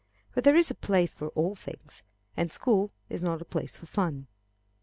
But there is a place for all things, and school is not the place for fun.